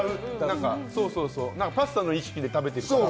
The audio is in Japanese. パスタの意識で食べてしまって。